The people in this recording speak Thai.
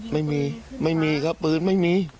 ไม่มีครับปืนไม่มี